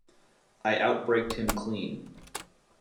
I outbraked him clean.